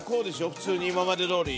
普通に今までどおり。